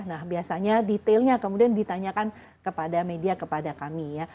nah biasanya detailnya kemudian ditanyakan kepada media kepada kami ya